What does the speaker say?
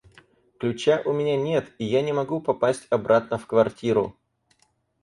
Ключа у меня нет, и я не могу попасть обратно в квартиру.